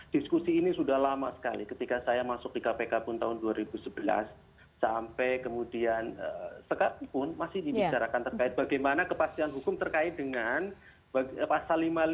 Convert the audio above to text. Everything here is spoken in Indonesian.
diskusi ini sudah lama sekali ketika saya masuk di kpk pun tahun dua ribu sebelas sampai kemudian sekalipun masih dibicarakan terkait bagaimana kepastian hukum terkait dengan pasal lima puluh lima